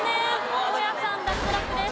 大家さん脱落です。